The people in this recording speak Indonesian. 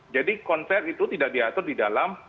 konser itu tidak diatur di dalam